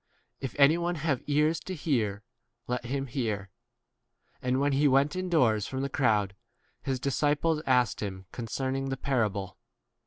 If any one have ears to V hear, let him hear. And when he went indoors from the crowd, his disciples asked him concerning 18 the parable.